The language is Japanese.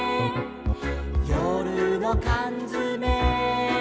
「よるのかんづめ」